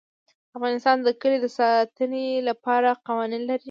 افغانستان د کلي د ساتنې لپاره قوانین لري.